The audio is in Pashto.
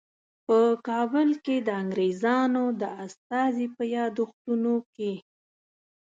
په کابل کې د انګریزانو د استازي په یادښتونو کې.